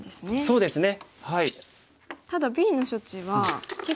そうですね。